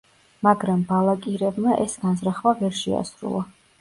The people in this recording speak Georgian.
მაგრამ ბალაკირევმა ეს განზრახვა ვერ შეასრულა.